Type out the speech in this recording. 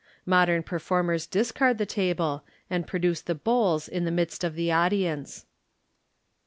Modern performers discard the table, and produce the bowls in the midst of the audience.